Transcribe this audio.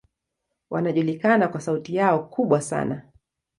Wanajulikana kwa sauti yao kubwa sana.